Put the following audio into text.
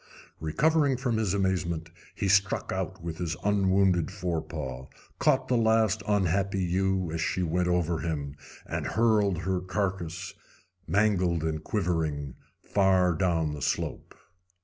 Recovering from his amazement, he struck out with his unwounded forepaw, caught the last unhappy ewe as she went over him, and hurled her carcass, mangled and quivering, far down the slope.